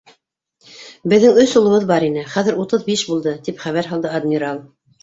Беҙҙең өс улыбыҙ бар ине, хәҙер утыҙ биш булды, - тип хәбәр һалды адмирал.